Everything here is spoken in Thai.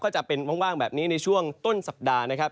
ก็จะเป็นว่างแบบนี้ในช่วงต้นสัปดาห์นะครับ